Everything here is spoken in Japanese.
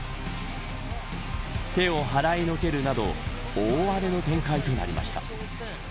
手を払いのけるなど大荒れの展開となりました。